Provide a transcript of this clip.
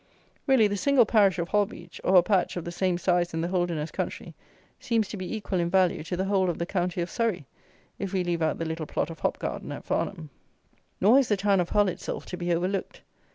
Really, the single parish of Holbeach, or a patch of the same size in the Holderness country, seems to be equal in value to the whole of the county of Surrey, if we leave out the little plot of hop garden at Farnham. Nor is the town of Hull itself to be overlooked.